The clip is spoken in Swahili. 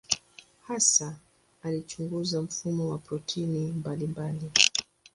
Hasa alichunguza mfumo wa protini mbalimbali.